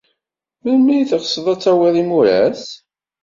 Melmi ay teɣsed ad tawid imuras?